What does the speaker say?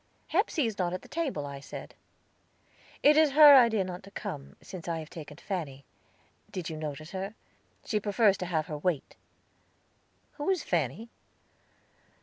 "Hepsey is not at the table," I said. "It is her idea not to come, since I have taken Fanny. Did you notice her? She prefers to have her wait." "Who is Fanny?"